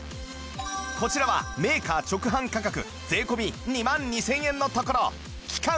こちらはメーカー直販価格税込２万２０００円のところ期間